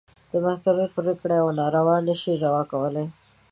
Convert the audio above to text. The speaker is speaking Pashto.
د محکمې پرېکړه يوه ناروا نه شي روا کولی.